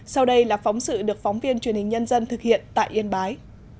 sau đây là phóng sự được phóng viên truyền hình nhân dân thực hiện tại yên bái